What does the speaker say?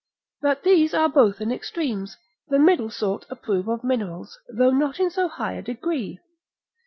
But these are both in extremes, the middle sort approve of minerals, though not in so high a degree.